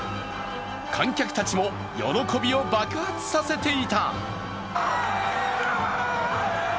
観客たちも喜びを爆発させていた。